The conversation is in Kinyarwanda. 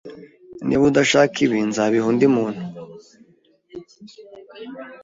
Niba udashaka ibi, nzabiha undi muntu